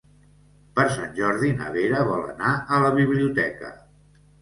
Per Sant Jordi na Vera vol anar a la biblioteca.